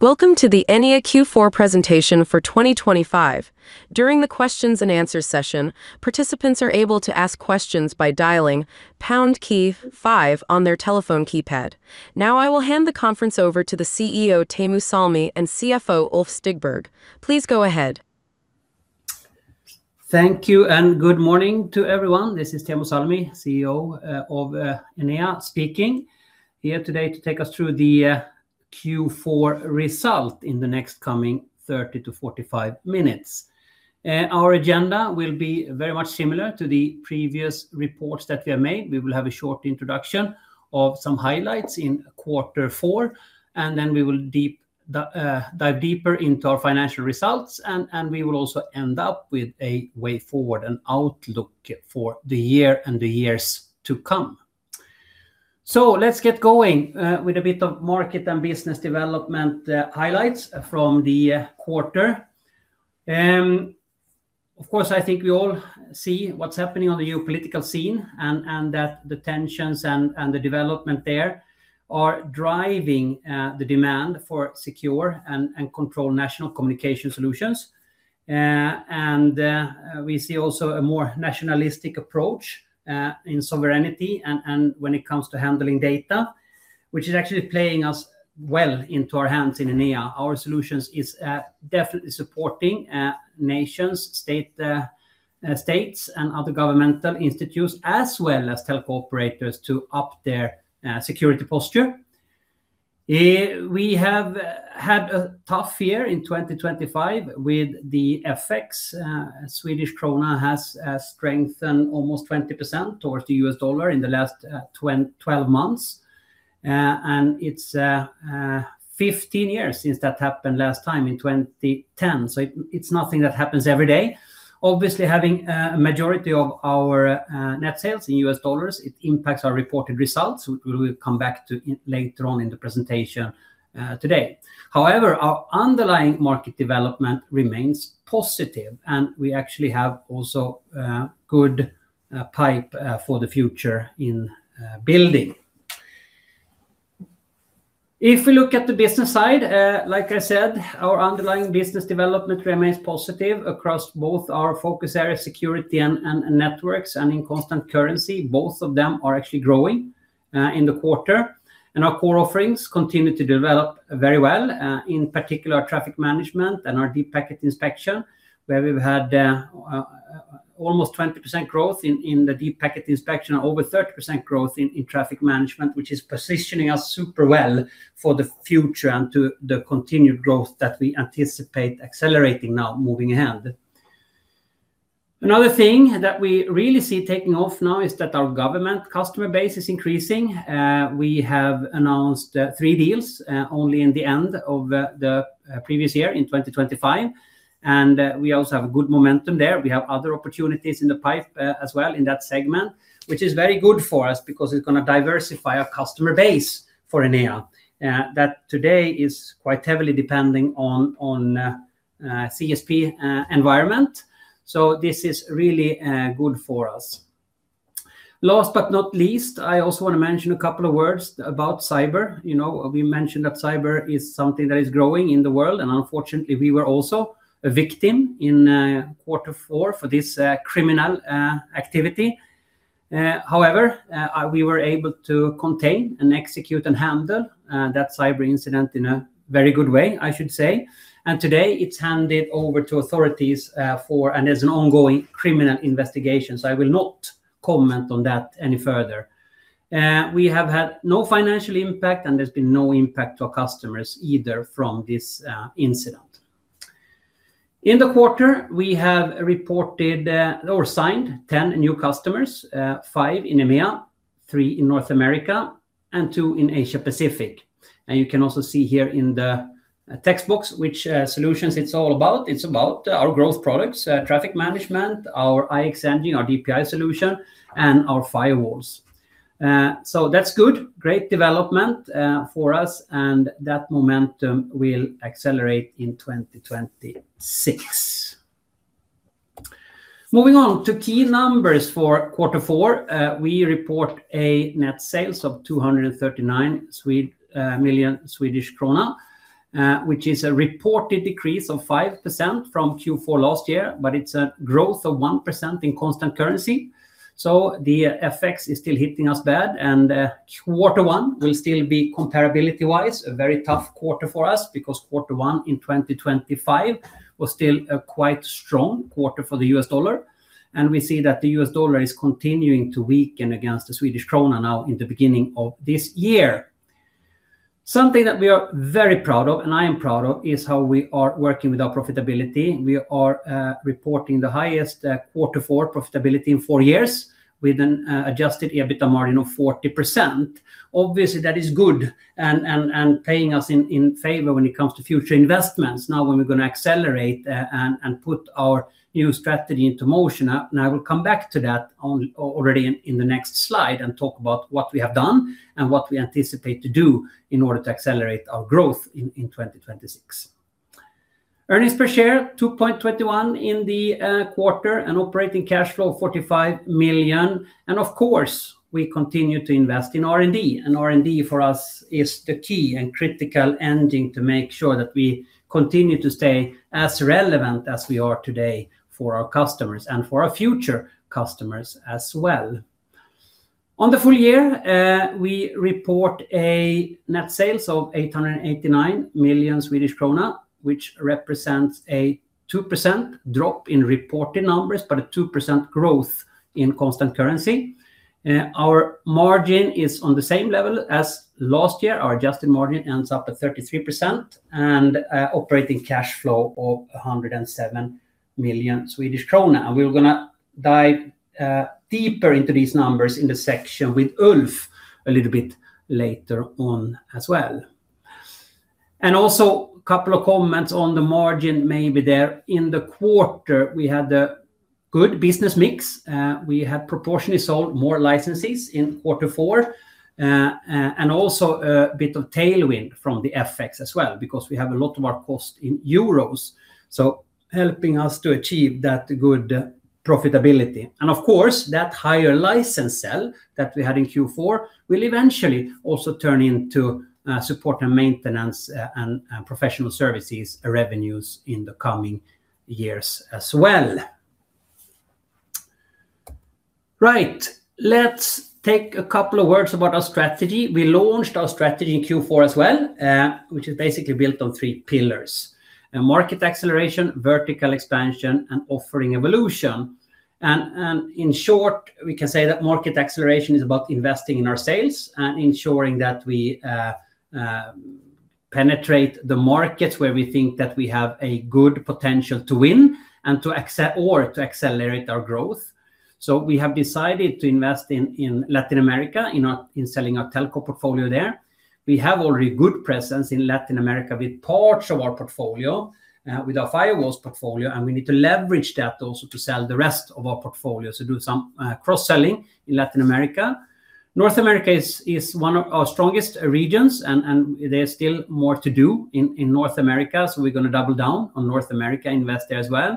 Welcome to the Enea Q4 presentation for 2025. During the questions and answers session, participants are able to ask questions by dialing pound key five on their telephone keypad. Now, I will hand the conference over to the CEO, Teemu Salmi, and CFO, Ulf Stigberg. Please go ahead. Thank you, and good morning to everyone. This is Teemu Salmi, CEO of Enea speaking, here today to take us through the Q4 result in the next coming 30-45 minutes. Our agenda will be very much similar to the previous reports that we have made. We will have a short introduction of some highlights in quarter four, and then we will dive deeper into our financial results, and we will also end up with a way forward, an outlook for the year and the years to come. Let's get going with a bit of market and business development highlights from the quarter. Of course, I think we all see what's happening on the geopolitical scene, and that the tensions and the development there are driving the demand for secure and controlled national communication solutions. And we see also a more nationalistic approach in sovereignty and when it comes to handling data, which is actually playing us well into our hands in Enea. Our solutions is definitely supporting nations, state, states, and other governmental institutes, as well as telco operators to up their security posture. We have had a tough year in 2025 with the FX. Swedish krona has strengthened almost 20% towards the US dollar in the last 12 months. And it's 15 years since that happened last time in 2010, so it's nothing that happens every day. Obviously, having a majority of our net sales in U.S. dollars, it impacts our reported results, which we will come back to later on in the presentation today. However, our underlying market development remains positive, and we actually have also good pipeline for the future in building. If we look at the business side, like I said, our underlying business development remains positive across both our focus areas, security and networks, and in constant currency, both of them are actually growing in the quarter. And our core offerings continue to develop very well, in particular, traffic management and our deep packet inspection, where we've had almost 20% growth in the deep packet inspection and over 30% growth in traffic management, which is positioning us super well for the future and to the continued growth that we anticipate accelerating now moving ahead. Another thing that we really see taking off now is that our government customer base is increasing. We have announced 3 deals only in the end of the previous year, in 2025, and we also have good momentum there. We have other opportunities in the pipe, as well in that segment, which is very good for us because it's gonna diversify our customer base for Enea, that today is quite heavily depending on, on, CSP, environment. So this is really, good for us. Last but not least, I also want to mention a couple of words about cyber. You know, we mentioned that cyber is something that is growing in the world, and unfortunately, we were also a victim in, quarter four for this, criminal, activity. However, we were able to contain and execute and handle, that cyber incident in a very good way, I should say. And today, it's handed over to authorities, for... and there's an ongoing criminal investigation, so I will not comment on that any further. We have had no financial impact, and there's been no impact to our customers either from this incident. In the quarter, we have reported or signed 10 new customers, 5 in EMEA, 3 in North America, and 2 in Asia Pacific. You can also see here in the text box which solutions it's all about. It's about our growth products, traffic management, our ixEngine, our DPI solution, and our firewalls. So that's good. Great development for us, and that momentum will accelerate in 2026. Moving on to key numbers for quarter four, we report net sales of 239 million Swedish krona, which is a reported decrease of 5% from Q4 last year, but it's a growth of 1% in constant currency. So the FX is still hitting us bad, and quarter one will still be, comparability-wise, a very tough quarter for us because quarter one in 2025 was still a quite strong quarter for the US dollar, and we see that the US dollar is continuing to weaken against the Swedish krona now in the beginning of this year. Something that we are very proud of, and I am proud of, is how we are working with our profitability. We are reporting the highest quarter four profitability in 4 years, with an adjusted EBITDA margin of 40%. Obviously, that is good and paying us in favor when it comes to future investments now when we're gonna accelerate, and put our new strategy into motion. And I will come back to that on... already in the next slide and talk about what we have done and what we anticipate to do in order to accelerate our growth in 2026. Earnings per share 2.21 in the quarter, and operating cash flow 45 million. And of course, we continue to invest in R&D, and R&D for us is the key and critical engine to make sure that we continue to stay as relevant as we are today for our customers and for our future customers as well. On the full year, we report net sales of 889 million Swedish krona, which represents a 2% drop in reported numbers, but a 2% growth in constant currency. Our margin is on the same level as last year. Our adjusted margin ends up at 33%, and operating cash flow of 107 million Swedish krona. We're gonna dive deeper into these numbers in the section with Ulf a little bit later on as well. Also, a couple of comments on the margin maybe there. In the quarter, we had a good business mix. We had proportionally sold more licenses in quarter four. And also a bit of tailwind from the FX as well, because we have a lot of our cost in EUR, so helping us to achieve that good profitability. And of course, that higher license sell that we had in Q4 will eventually also turn into support and maintenance, and professional services revenues in the coming years as well. Right, let's take a couple of words about our strategy. We launched our strategy in Q4 as well, which is basically built on three pillars: a market acceleration, vertical expansion, and offering evolution. In short, we can say that market acceleration is about investing in our sales and ensuring that we penetrate the markets where we think that we have a good potential to win and to accelerate our growth. We have decided to invest in Latin America in selling our telco portfolio there. We have already good presence in Latin America with parts of our portfolio with our firewalls portfolio, and we need to leverage that also to sell the rest of our portfolio. So do some cross-selling in Latin America. North America is one of our strongest regions, and there's still more to do in North America, so we're gonna double down on North America, invest there as well.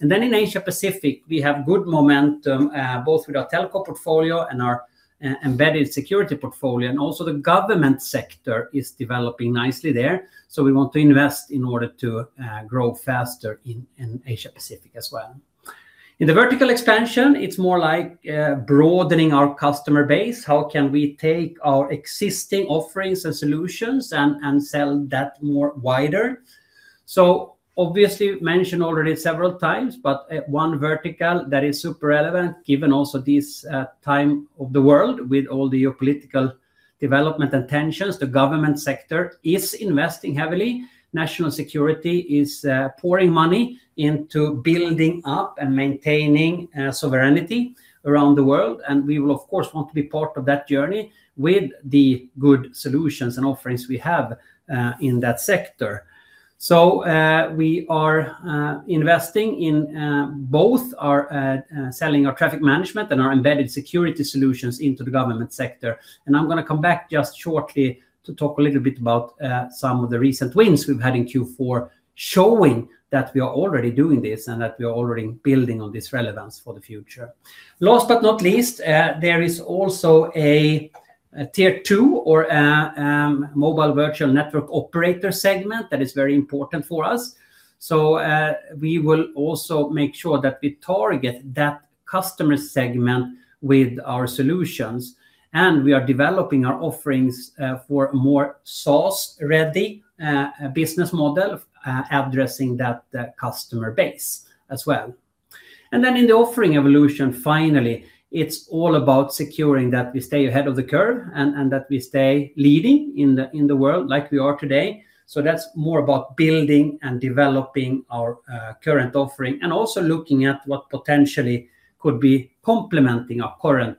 And then in Asia Pacific, we have good momentum, both with our telco portfolio and our embedded security portfolio, and also the government sector is developing nicely there. So we want to invest in order to grow faster in Asia Pacific as well. In the vertical expansion, it's more like broadening our customer base. How can we take our existing offerings and solutions and sell that more wider? So obviously mentioned already several times, but one vertical that is super relevant, given also this time of the world with all the geopolitical development and tensions, the government sector is investing heavily. National security is pouring money into building up and maintaining sovereignty around the world, and we will, of course, want to be part of that journey with the good solutions and offerings we have in that sector. So, we are investing in both our selling our traffic management and our embedded security solutions into the government sector. And I'm gonna come back just shortly to talk a little bit about some of the recent wins we've had in Q4, showing that we are already doing this and that we are already building on this relevance for the future. Last but not least, there is also a Tier 2 or a mobile virtual network operator segment that is very important for us. So, we will also make sure that we target that customer segment with our solutions, and we are developing our offerings, for more SaaS-ready, business model, addressing that customer base as well. And then in the offering evolution, finally, it's all about securing that we stay ahead of the curve and that we stay leading in the world like we are today. So that's more about building and developing our current offering and also looking at what potentially could be complementing our current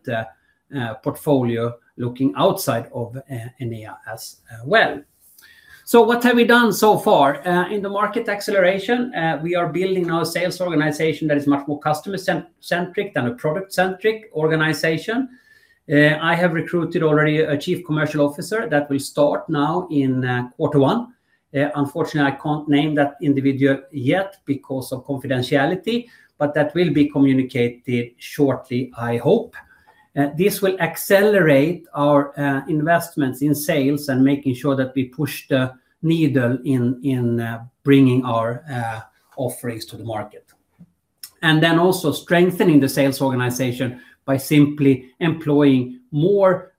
portfolio, looking outside of Enea as well. So what have we done so far? In the market acceleration, we are building our sales organization that is much more customer-centric than a product-centric organization. I have recruited already a Chief Commercial Officer that will start now in quarter one. Unfortunately, I can't name that individual yet because of confidentiality, but that will be communicated shortly, I hope. This will accelerate our investments in sales and making sure that we push the needle in bringing our offerings to the market. And then also strengthening the sales organization by simply employing more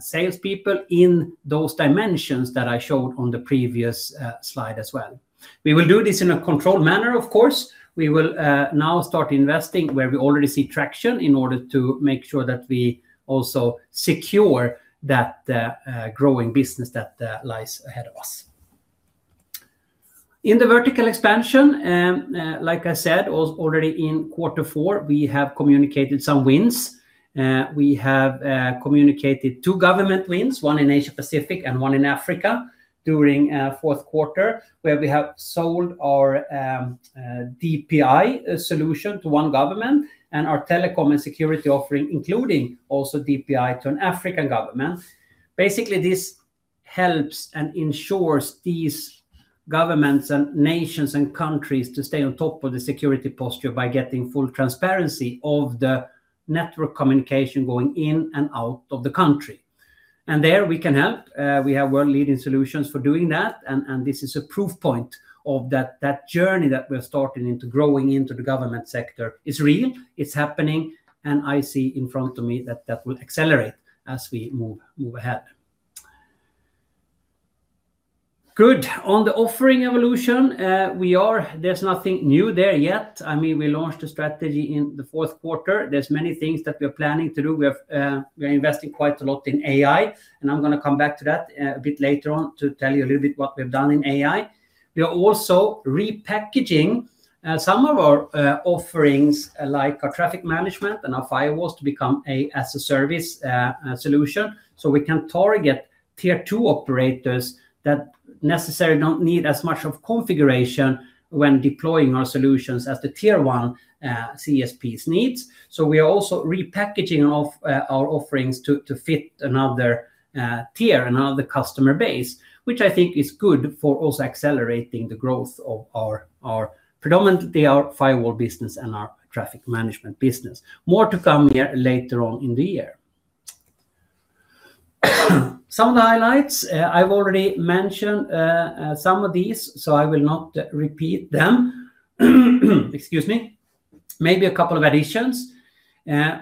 salespeople in those dimensions that I showed on the previous slide as well. We will do this in a controlled manner, of course. We will now start investing where we already see traction in order to make sure that we also secure that growing business that lies ahead of us. In the vertical expansion, like I said, already in quarter four, we have communicated some wins. We have communicated two government wins, one in Asia Pacific and one in Africa, during fourth quarter, where we have sold our DPI solution to one government and our telecom and security offering, including also DPI, to an African government. Basically, this helps and ensures these governments and nations and countries to stay on top of the security posture by getting full transparency of the network communication going in and out of the country. And there we can help. We have world-leading solutions for doing that, and this is a proof point of that, that journey that we're starting into growing into the government sector is real, it's happening, and I see in front of me that that will accelerate as we move ahead. Good. On the offering evolution, there's nothing new there yet. I mean, we launched a strategy in the fourth quarter. There's many things that we're planning to do. We have, we're investing quite a lot in AI, and I'm gonna come back to that, a bit later on to tell you a little bit what we've done in AI. We are also repackaging, some of our, offerings, like our traffic management and our firewalls, to become a as-a-service solution, so we can target Tier 2 operators that necessarily don't need as much of configuration when deploying our solutions as the Tier 1, CSPs needs. So we are also repackaging our offerings to, to fit another, tier, another customer base, which I think is good for also accelerating the growth of our, our predominantly our firewall business and our traffic management business. More to come here later on in the year. Some highlights I've already mentioned, some of these, so I will not repeat them. Excuse me. Maybe a couple of additions.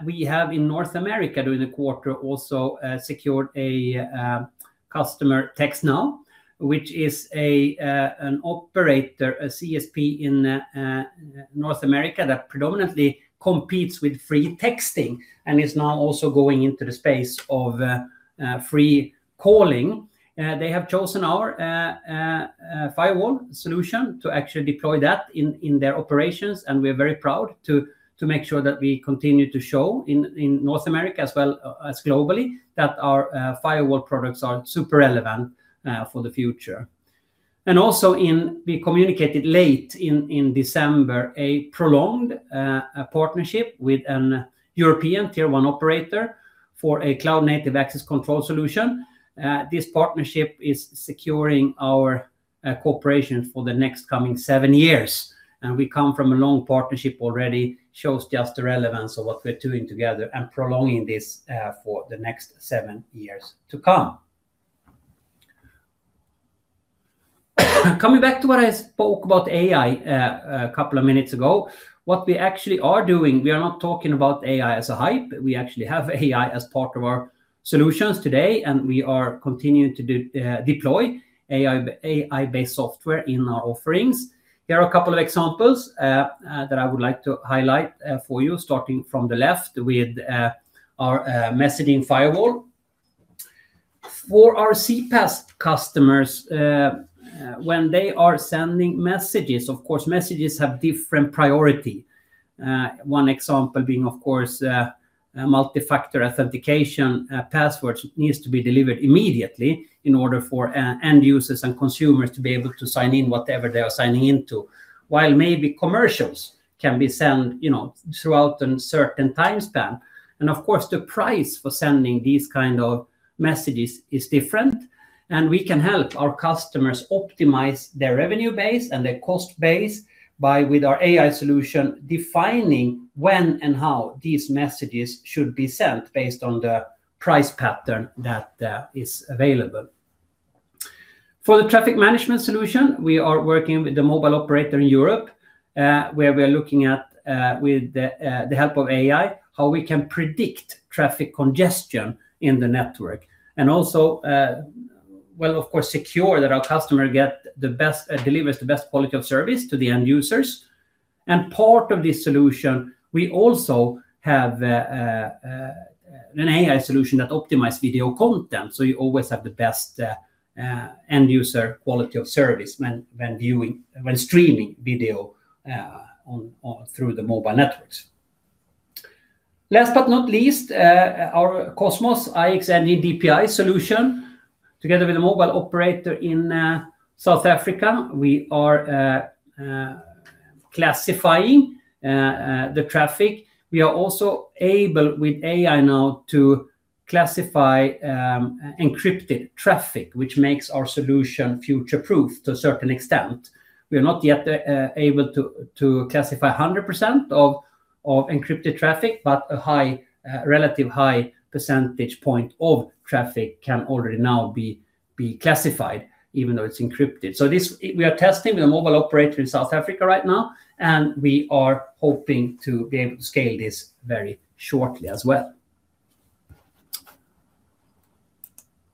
We have in North America during the quarter also secured a customer, TextNow, which is an operator, a CSP in North America that predominantly competes with free texting and is now also going into the space of free calling. They have chosen our firewall solution to actually deploy that in their operations, and we're very proud to make sure that we continue to show in North America as well as globally, that our firewall products are super relevant for the future. We communicated late in December a prolonged partnership with a European Tier 1 operator for a cloud-native access control solution. This partnership is securing our cooperation for the next coming seven years, and we come from a long partnership already, shows just the relevance of what we're doing together and prolonging this for the next seven years to come. Coming back to what I spoke about AI a couple of minutes ago, what we actually are doing, we are not talking about AI as a hype. We actually have AI as part of our solutions today, and we are continuing to deploy AI, AI-based software in our offerings. Here are a couple of examples that I would like to highlight for you. Starting from the left with our messaging firewall. For our CPaaS customers, when they are sending messages, of course, messages have different priority. One example being, of course, multi-factor authentication. Passwords needs to be delivered immediately in order for end users and consumers to be able to sign in whatever they are signing into. While maybe commercials can be sent, you know, throughout a certain time span. And of course, the price for sending these kind of messages is different, and we can help our customers optimize their revenue base and their cost base by with our AI solution, defining when and how these messages should be sent based on the price pattern that is available. For the traffic management solution, we are working with a mobile operator in Europe, where we are looking at, with the help of AI, how we can predict traffic congestion in the network. And also, well, of course, secure that our customer get the best- delivers the best quality of service to the end users. Part of this solution, we also have an AI solution that optimize video content, so you always have the best end-user quality of service when streaming video through the mobile networks. Last but not least, our Qosmos ixEngine DPI solution, together with a mobile operator in South Africa, we are classifying the traffic. We are also able, with AI now, to classify encrypted traffic, which makes our solution future-proof to a certain extent. We are not yet able to classify 100% of encrypted traffic, but a relatively high percentage point of traffic can already now be classified, even though it's encrypted. So this, we are testing with a mobile operator in South Africa right now, and we are hoping to be able to scale this very shortly as well.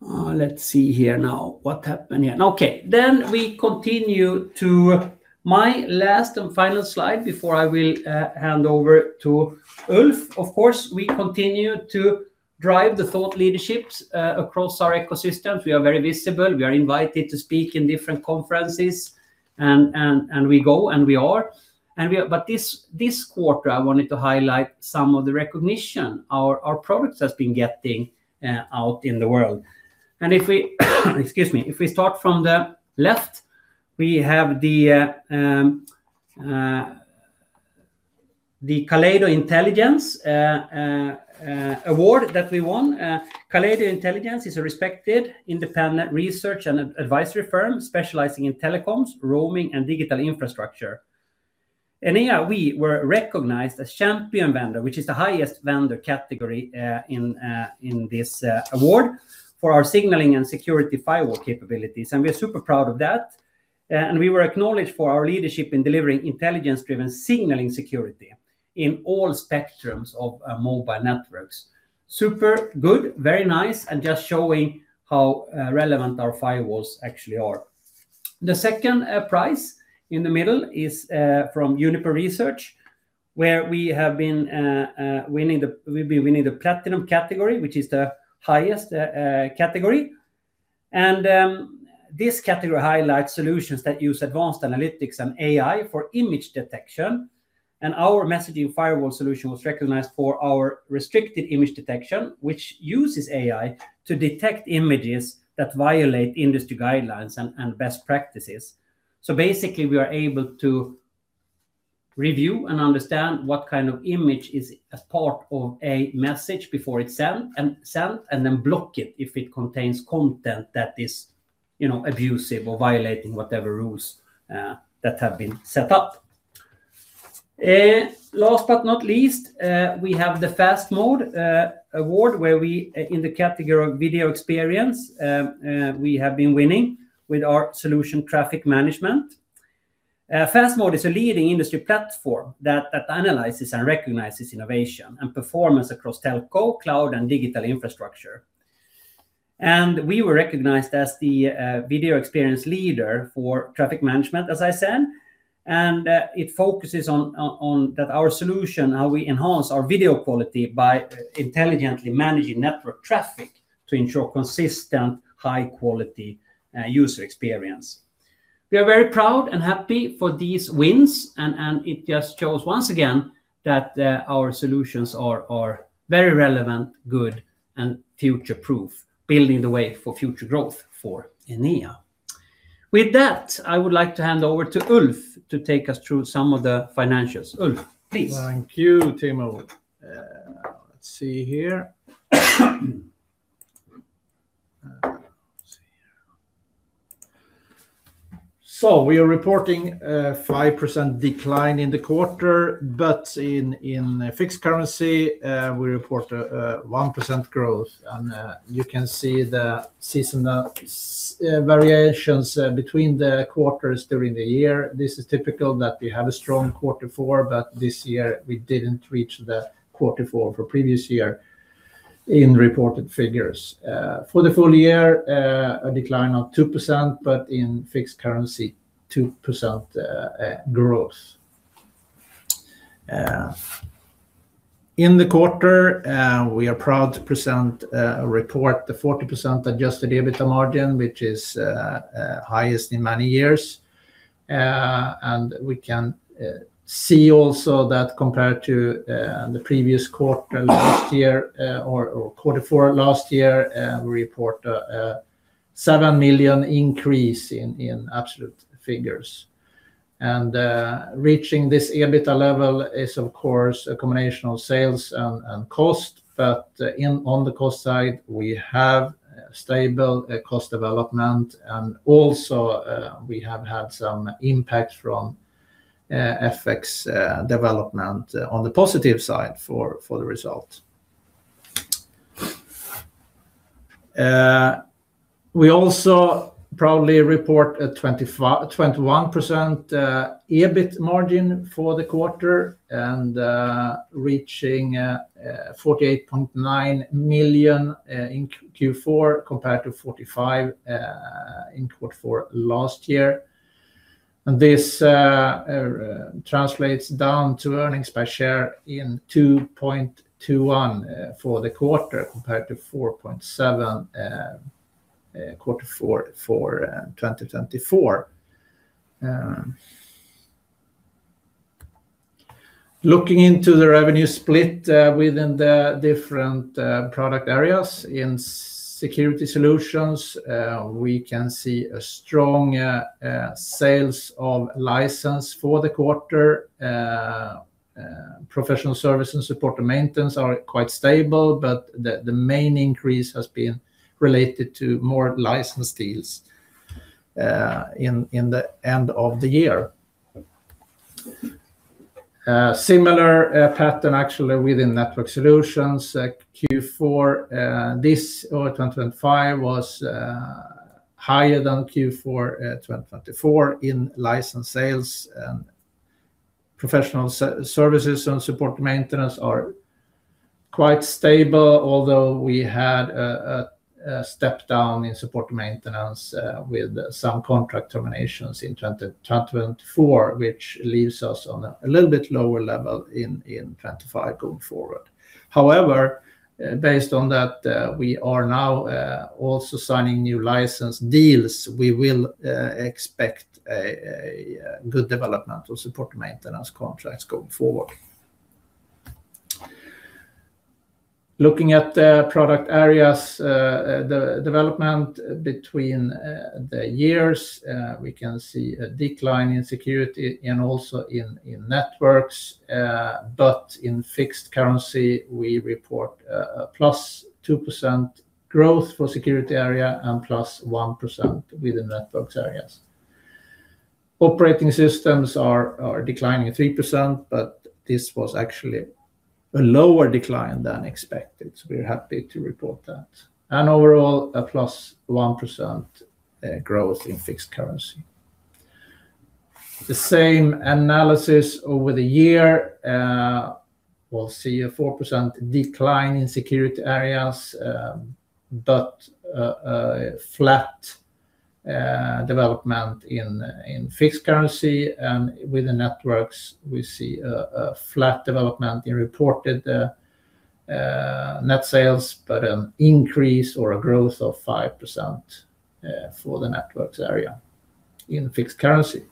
Let's see here now what happened here. Okay, then we continue to my last and final slide before I will hand over to Ulf. Of course, we continue to drive the thought leaderships across our ecosystems. We are very visible. We are invited to speak in different conferences, and we go. But this quarter, I wanted to highlight some of the recognition our products has been getting out in the world. Excuse me. If we start from the left, we have the Kaleido Intelligence award that we won. Kaleido Intelligence is a respected independent research and advisory firm specializing in telecoms, roaming, and digital infrastructure. Enea, we were recognized as champion vendor, which is the highest vendor category, in this award for our signaling and security firewall capabilities, and we are super proud of that. We were acknowledged for our leadership in delivering intelligence-driven signaling security in all spectrums of mobile networks. Super good, very nice, and just showing how relevant our firewalls actually are. The second prize in the middle is from Juniper Research, where we've been winning the platinum category, which is the highest category. This category highlights solutions that use advanced analytics and AI for image detection, and our messaging firewall solution was recognized for our restricted image detection, which uses AI to detect images that violate industry guidelines and best practices. So basically, we are able to review and understand what kind of image is a part of a message before it's sent, and then block it if it contains content that is, you know, abusive or violating whatever rules that have been set up. Last but not least, we have the Fast Mode award, where we, in the category of video experience, we have been winning with our solution Traffic Management. Fast Mode is a leading industry platform that analyzes and recognizes innovation and performance across telco, cloud, and digital infrastructure. And we were recognized as the video experience leader for traffic management, as I said, and it focuses on that our solution, how we enhance our video quality by intelligently managing network traffic to ensure consistent, high quality user experience. We are very proud and happy for these wins, and it just shows once again that our solutions are very relevant, good, and future-proof, building the way for future growth for Enea. With that, I would like to hand over to Ulf to take us through some of the financials. Ulf, please. Thank you, Teemu. Let's see here. Let's see here. So we are reporting a 5% decline in the quarter, but in fixed currency, we report a 1% growth. You can see the seasonal variations between the quarters during the year. This is typical that we have a strong quarter four, but this year we didn't reach the quarter four for previous year in reported figures. For the full year, a decline of 2%, but in fixed currency, 2% growth. In the quarter, we are proud to present a report, the 40% adjusted EBITDA margin, which is highest in many years. We can see also that compared to the previous quarter last year, or quarter four last year, we report a 7 million increase in absolute figures. Reaching this EBITDA level is, of course, a combination of sales and cost, but on the cost side, we have stable cost development and also we have had some impact from FX development on the positive side for the result. We also proudly report a 21% EBIT margin for the quarter, and reaching 48.9 million in Q4, compared to 45 million in quarter four last year. This translates down to earnings per share in 2.21 for the quarter, compared to 4.7 quarter four for 2024. Looking into the revenue split within the different product areas, in security solutions, we can see a strong sales of license for the quarter. Professional services and support and maintenance are quite stable, but the main increase has been related to more license deals in the end of the year. Similar pattern actually within network solutions, Q4 this or 2025 was higher than Q4 2024 in license sales and professional services and support maintenance are quite stable. Although we had a step down in support maintenance with some contract terminations in 2024, which leaves us on a little bit lower level in 2025 going forward. However, based on that, we are now also signing new license deals. We will expect a good development of support maintenance contracts going forward. Looking at the product areas, the development between the years, we can see a decline in security and also in networks. But in fixed currency, we report a +2% growth for security area and +1% within networks areas. Operating systems are declining at 3%, but this was actually a lower decline than expected, so we're happy to report that. And overall, a +1% growth in fixed currency. The same analysis over the year, we'll see a 4% decline in security areas, but a flat development in fixed currency. With the networks, we see a flat development in reported net sales, but an increase or a growth of 5% for the networks area in fixed currency.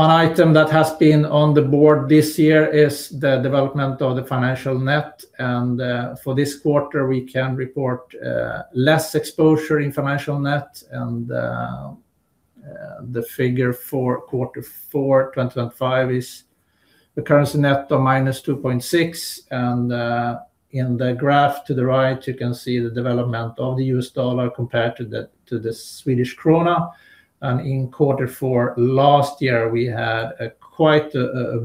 One item that has been on the board this year is the development of the financial net, and for this quarter, we can report less exposure in financial net. The figure for quarter four 2025 is the currency net of -2.6. In the graph to the right, you can see the development of the US dollar compared to the Swedish krona. In quarter four last year, we had a quite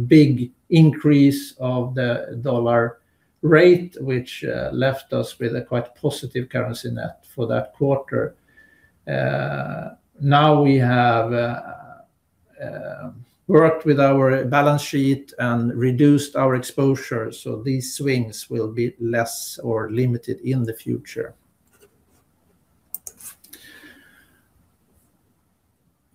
big increase of the dollar rate, which left us with a quite positive currency net for that quarter. Now we have worked with our balance sheet and reduced our exposure, so these swings will be less or limited in the future.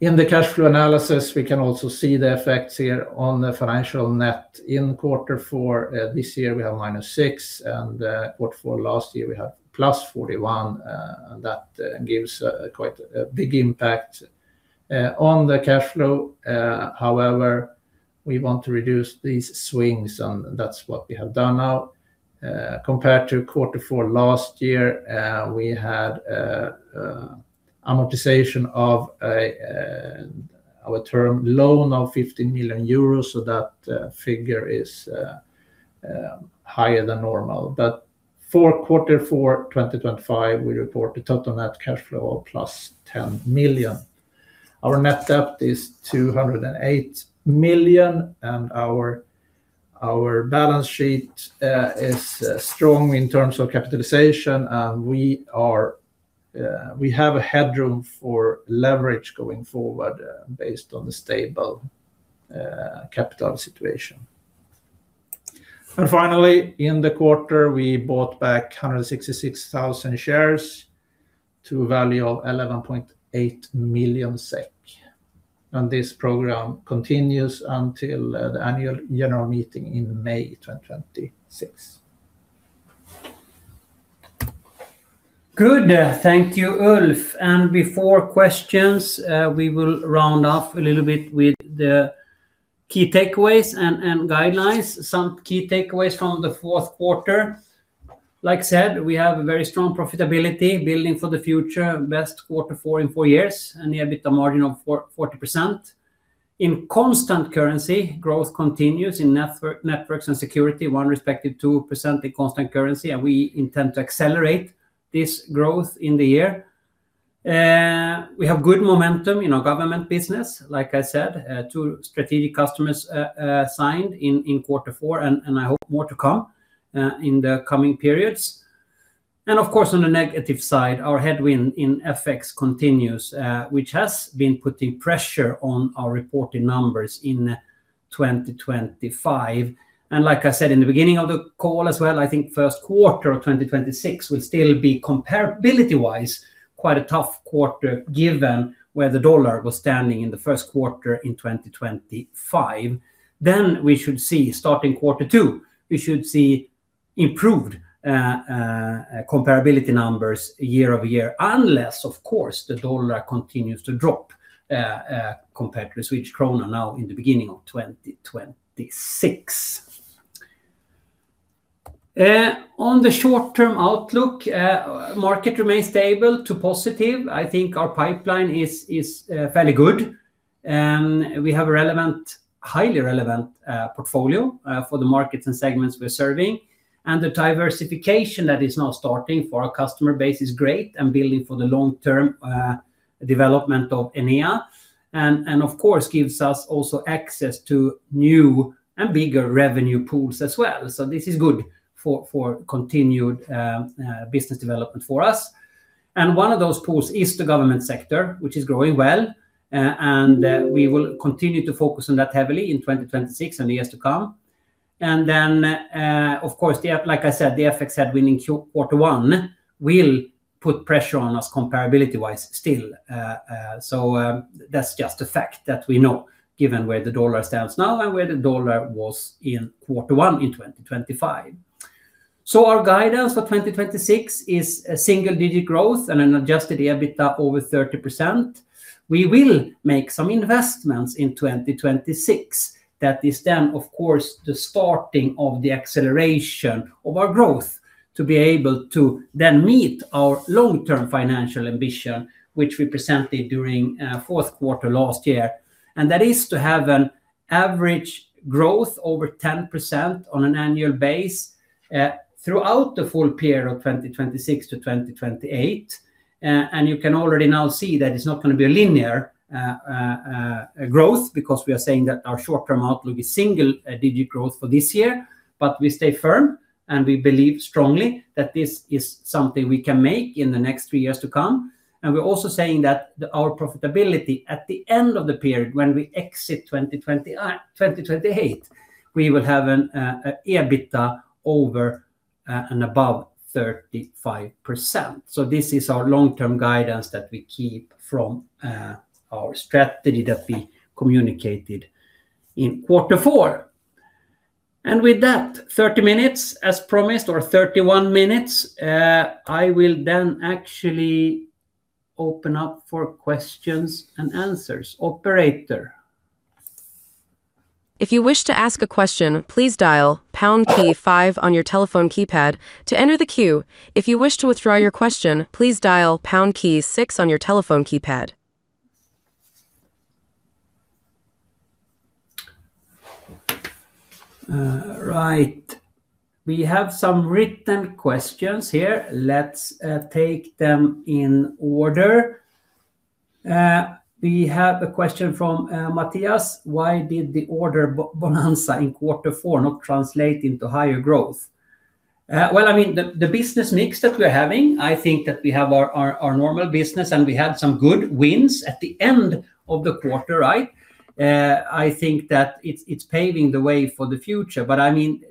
In the cash flow analysis, we can also see the effects here on the financial net. In quarter four this year, we have -6, and quarter four last year, we had +41. That gives quite a big impact on the cash flow. However, we want to reduce these swings, and that's what we have done now. Compared to quarter four last year, we had amortization of our term loan of 50 million euros, so that figure is higher than normal. But for quarter four, 2025, we report a total net cash flow of +10 million. Our net debt is 208 million, and our balance sheet is strong in terms of capitalization. We have a headroom for leverage going forward, based on the stable capital situation. Finally, in the quarter, we bought back 166,000 shares to a value of 11.8 million SEK. This program continues until the annual general meeting in May 2026. Good. Thank you, Ulf. Before questions, we will round off a little bit with the key takeaways and guidelines. Some key takeaways from the fourth quarter. Like I said, we have a very strong profitability, building for the future, best quarter four in 4 years, and EBITDA margin of 40%. In constant currency, growth continues in networks and security, 1% respectively 2% in constant currency, and we intend to accelerate this growth in the year. We have good momentum in our government business. Like I said, two strategic customers signed in quarter four, and I hope more to come in the coming periods. And of course, on the negative side, our headwind in FX continues, which has been putting pressure on our reporting numbers in 2025. Like I said in the beginning of the call as well, I think first quarter of 2026 will still be comparability-wise quite a tough quarter, given where the US dollar was standing in the first quarter in 2025. Then we should see, starting quarter 2, we should see improved comparability numbers year-over-year, unless, of course, the US dollar continues to drop compared to the Swedish krona now in the beginning of 2026. On the short-term outlook, market remains stable to positive. I think our pipeline is fairly good, and we have a relevant, highly relevant portfolio for the markets and segments we're serving. The diversification that is now starting for our customer base is great and building for the long-term development of Enea, and of course, gives us also access to new and bigger revenue pools as well. So this is good for continued business development for us. And one of those pools is the government sector, which is growing well, and we will continue to focus on that heavily in 2026 and the years to come. And then, of course, the FX headwind, like I said, in quarter one will put pressure on us comparability-wise still. So that's just a fact that we know, given where the US dollar stands now and where the US dollar was in quarter one in 2025. So our guidance for 2026 is a single-digit growth and an adjusted EBITDA over 30%. We will make some investments in 2026. That is then, of course, the starting of the acceleration of our growth, to be able to then meet our long-term financial ambition, which we presented during fourth quarter last year. And that is to have an average growth over 10% on an annual base, throughout the full period of 2026 to 2028. And you can already now see that it's not gonna be a linear growth, because we are saying that our short-term outlook is single-digit growth for this year. But we stay firm, and we believe strongly that this is something we can make in the next three years to come. We're also saying that our profitability at the end of the period, when we exit 2028, we will have an EBITDA over and above 35%. This is our long-term guidance that we keep from our strategy that we communicated in quarter four. With that, 30 minutes, as promised, or 31 minutes, I will then actually open up for questions and answers. Operator? If you wish to ask a question, please dial pound key five on your telephone keypad to enter the queue. If you wish to withdraw your question, please dial pound key six on your telephone keypad. Right. We have some written questions here. Let's take them in order. We have a question from Mathias: Why did the order bonanza in quarter four not translate into higher growth? Well, I mean, the business mix that we're having. I think that we have our normal business, and we had some good wins at the end of the quarter, right? I think that it's paving the way for the future, but I mean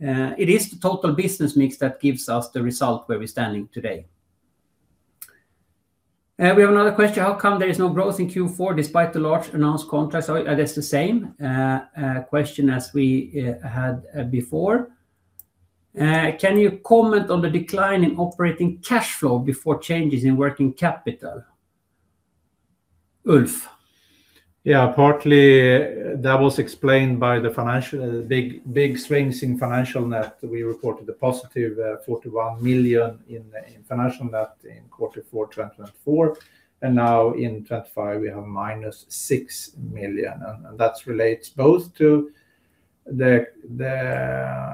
it is the total business mix that gives us the result where we're standing today. We have another question: How come there is no growth in Q4 despite the large announced contracts? So, that's the same question as we had before. Can you comment on the decline in operating cash flow before changes in working capital? Ulf? Yeah, partly, that was explained by the financial... The big, big swings in financial net. We reported a positive 41 million in financial net in quarter four 2024, and now in 2025, we have -6 million. And that relates both to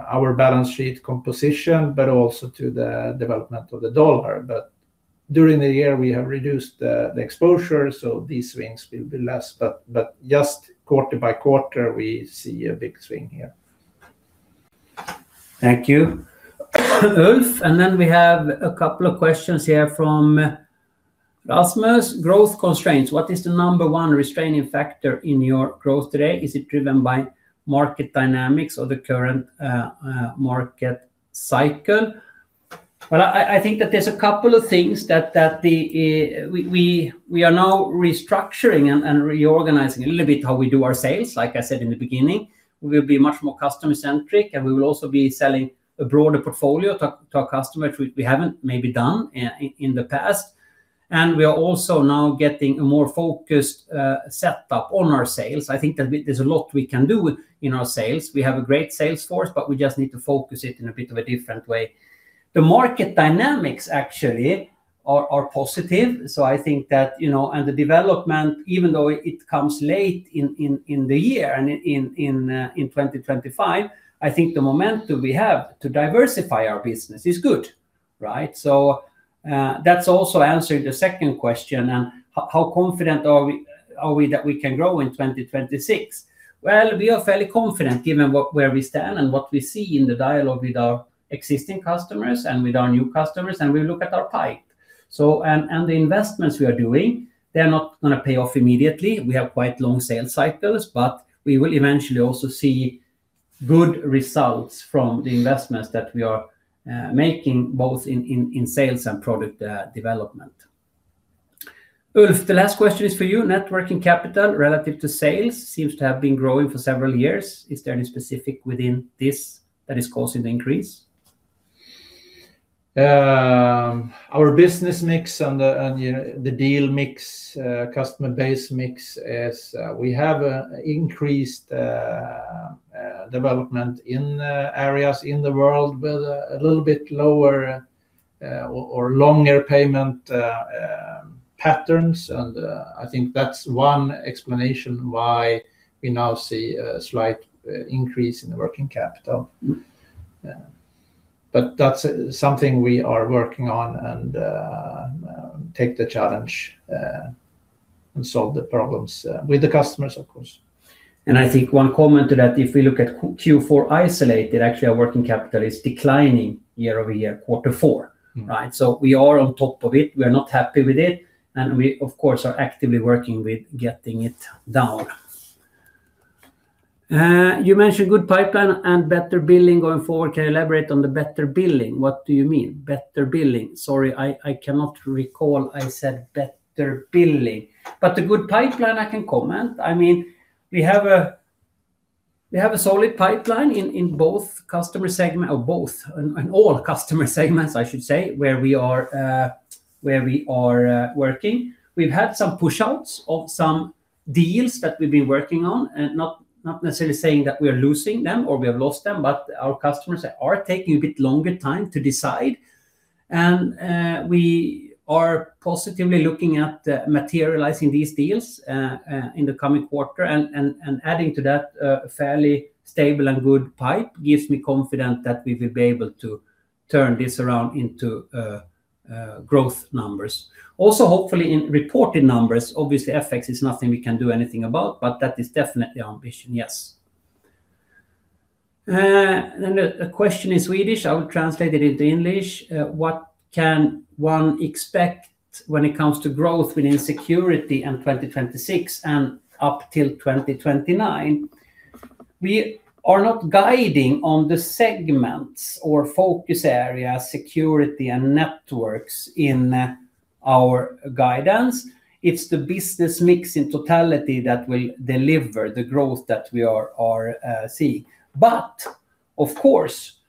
our balance sheet composition, but also to the development of the US dollar. But during the year, we have reduced the exposure, so these swings will be less. But just quarter by quarter, we see a big swing here. Thank you, Ulf. And then we have a couple of questions here from Rasmus. Growth constraints: What is the number one restraining factor in your growth today? Is it driven by market dynamics or the current market cycle? Well, I think that there's a couple of things that the... We are now restructuring and reorganizing a little bit how we do our sales, like I said in the beginning. We'll be much more customer-centric, and we will also be selling a broader portfolio to our customers, which we haven't maybe done in the past. And we are also now getting a more focused setup on our sales. I think that there's a lot we can do within our sales. We have a great sales force, but we just need to focus it in a bit of a different way. The market dynamics actually are positive, so I think that, you know, and the development, even though it comes late in the year and in 2025, I think the momentum we have to diversify our business is good, right? So, that's also answering the second question, and how confident are we that we can grow in 2026? Well, we are fairly confident, given where we stand and what we see in the dialogue with our existing customers and with our new customers, and we look at our pipe. So, the investments we are doing, they're not gonna pay off immediately. We have quite long sales cycles, but we will eventually also see good results from the investments that we are making, both in sales and product development. Ulf, the last question is for you. Working capital relative to sales seems to have been growing for several years. Is there any specific within this that is causing the increase? Our business mix and, you know, the deal mix, customer base mix is, we have increased development in areas in the world with a little bit lower or longer payment patterns. And, I think that's one explanation why we now see a slight increase in the working capital. Mm-hmm. But that's something we are working on, and take the challenge and solve the problems with the customers, of course. I think one comment to that, if we look at Q4 isolated, actually, our working capital is declining year-over-year, quarter four. Mm-hmm. Right? So we are on top of it. We are not happy with it, and we, of course, are actively working with getting it down. You mentioned good pipeline and better billing going forward. Can you elaborate on the better billing? What do you mean, better billing? Sorry, I cannot recall I said better billing, but the good pipeline I can comment. I mean, we have a solid pipeline in both customer segment, or both, in all customer segments, I should say, where we are working. We've had some push outs of some deals that we've been working on, and not necessarily saying that we are losing them or we have lost them, but our customers are taking a bit longer time to decide. We are positively looking at materializing these deals in the coming quarter. Adding to that, fairly stable and good pipeline gives me confidence that we will be able to turn this around into growth numbers. Also, hopefully in reported numbers. Obviously, FX is nothing we can do anything about, but that is definitely our ambition, yes. Then the question in Swedish, I will translate it into English. "What can one expect when it comes to growth within security in 2026 and up till 2029?" We are not guiding on the segments or focus area, security and networks in our guidance. It's the business mix in totality that will deliver the growth that we are seeing. But of course,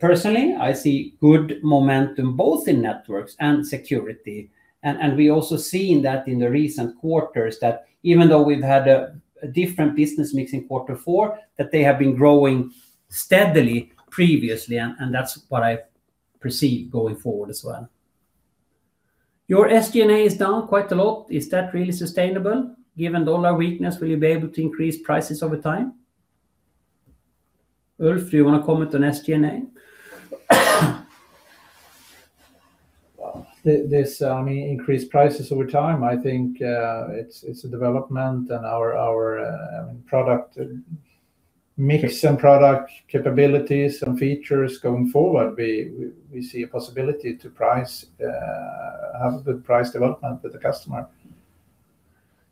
personally, I see good momentum both in networks and security, and, and we also seen that in the recent quarters, that even though we've had a, a different business mix in quarter four, that they have been growing steadily previously, and, and that's what I perceive going forward as well. "Your SG&A is down quite a lot. Is that really sustainable? Given US dollar weakness, will you be able to increase prices over time?" Ulf, do you wanna comment on SG&A? Well, this increased prices over time, I think. It's a development and our product mix and product capabilities and features going forward. We see a possibility to price have a good price development with the customer.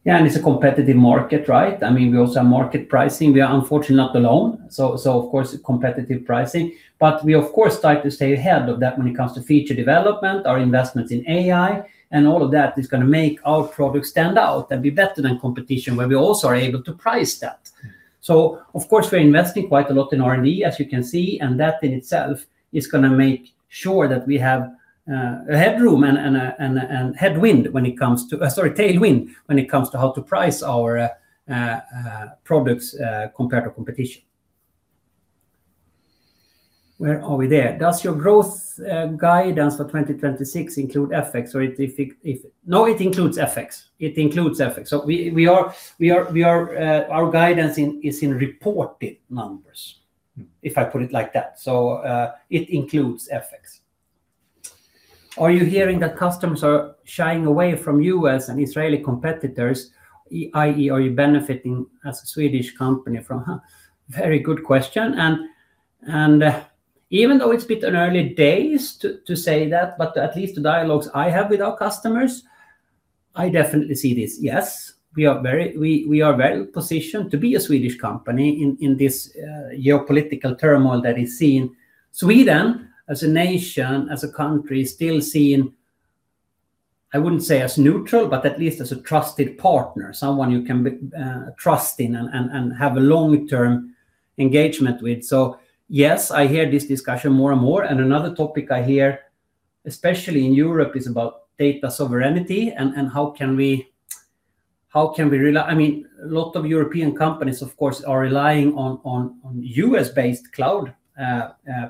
Yeah, and it's a competitive market, right? I mean, we also are market pricing. We are unfortunately not alone, so, so of course, competitive pricing. But we, of course, like to stay ahead of that when it comes to feature development, our investments in AI, and all of that is gonna make our product stand out and be better than competition, where we also are able to price that. So of course, we're investing quite a lot in R&D, as you can see, and that in itself is gonna make sure that we have, a headroom and a, and headwind when it comes to... Sorry, tailwind when it comes to how to price our, products, compared to competition. Where are we there? "Does your growth guidance for 2026 include FX, or if it, if..." No, it includes FX. It includes FX. So our guidance is in reported numbers- Mm... if I put it like that, so, it includes FX. "Are you hearing that customers are shying away from U.S. and Israeli competitors, i.e., are you benefiting as a Swedish company from..." Huh, very good question. And, even though it's bit on early days to say that, but at least the dialogues I have with our customers, I definitely see this. Yes, we are very, we are well positioned to be a Swedish company in this geopolitical turmoil that is seen. Sweden, as a nation, as a country, still seen, I wouldn't say as neutral, but at least as a trusted partner, someone you can trust in and have a long-term engagement with. So yes, I hear this discussion more and more. Another topic I hear, especially in Europe, is about data sovereignty and how can we rely. I mean, a lot of European companies, of course, are relying on U.S.-based cloud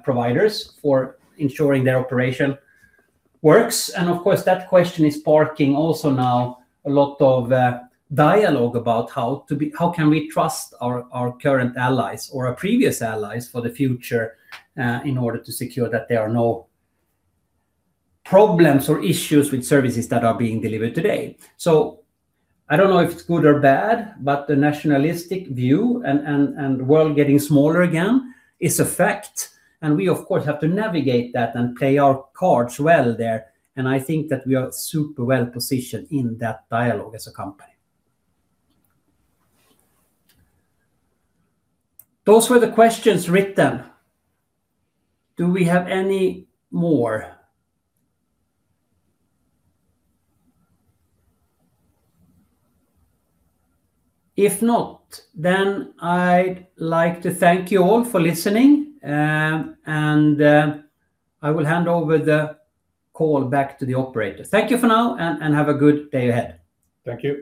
providers for ensuring their operation works. And of course, that question is sparking also now a lot of dialogue about how can we trust our current allies or our previous allies for the future, in order to secure that there are no problems or issues with services that are being delivered today. So I don't know if it's good or bad, but the nationalistic view and world getting smaller again is a fact, and we of course have to navigate that and play our cards well there. And I think that we are super well-positioned in that dialogue as a company. Those were the questions written. Do we have any more? If not, then I'd like to thank you all for listening, and I will hand over the call back to the operator. Thank you for now, and have a good day ahead. Thank you.